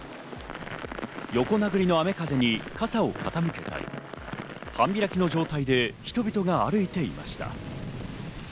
横殴りの雨風に傘を傾けたり、半開きの状態で人々が歩いていました。